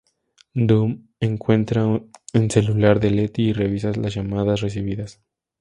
Dom encuentra en celular de Letty y revisa las llamadas recibidas.